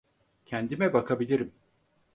Kendime bakabilirim.